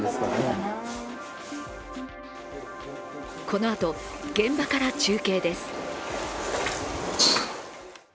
このあと現場から中継です。